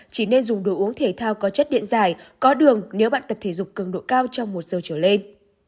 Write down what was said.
chỉ nên dùng đồ uống thể thao có chất điện dài có đường nếu bạn tập thể dục cường độ cao trong một giờ trở lên